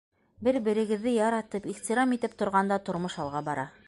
Бер-берегеҙҙе яратып, ихтирам итеп торғанда тормош алға бара.